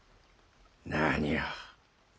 何を。